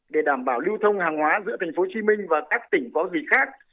để đảm bảo lưu thông hàng hóa giữa tp hcm và các tỉnh có gì khác